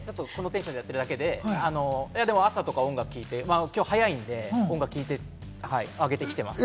このテンションでやってるだけで、朝とか音楽聴いて、今日は早いんで音楽聴いてあげてきてます。